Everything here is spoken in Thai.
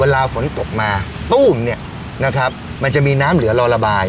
ฝนตกมาตู้มเนี่ยนะครับมันจะมีน้ำเหลือรอระบาย